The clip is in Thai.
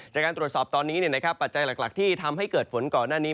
จากการตรวจสอบตอนนี้ปัจจัยหลักที่ทำให้เกิดฝนก่อนหน้านี้